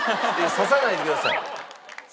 刺さないでください。